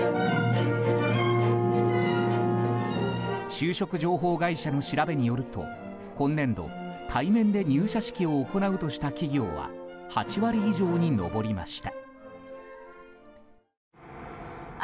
就職情報会社の調べによると今年度対面で入社式を行うとした企業は８割以上に上りました。